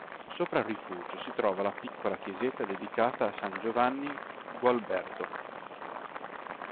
Sopra il rifugio si trova la piccola chiesetta dedicata a San Giovanni Gualberto.